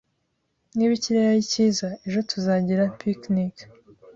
Niba ikirere ari cyiza ejo, tuzagira picnic.